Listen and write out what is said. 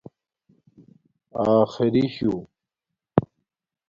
آخری شُݸ